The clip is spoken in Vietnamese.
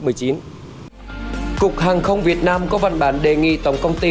cục hàng không việt nam có văn bản đề nghị tổng công ty